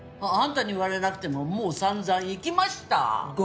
あんたに言われなくてももう散々生きました！